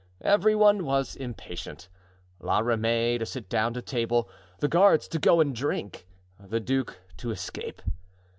Every one was impatient, La Ramee to sit down to table, the guards to go and drink, the duke to escape.